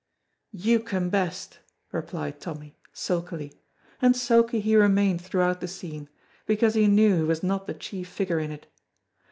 "You ken best," replied Tommy, sulkily, and sulky he remained throughout the scene, because he knew he was not the chief figure in it.